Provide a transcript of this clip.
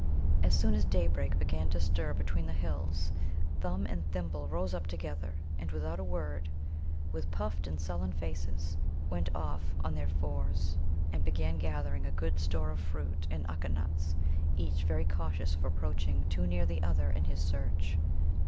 As soon as daybreak began to stir between the hills, Thumb and Thimble rose up together, and without a word, with puffed and sullen faces, went off on their fours and began gathering a good store of fruit and Ukka nuts, each very cautious of approaching too near the other in his search.